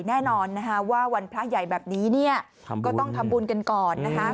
แน่นอนนะคะว่าวันพระใหญ่แบบนี้เนี่ยก็ต้องทำบุญกันก่อนนะคะ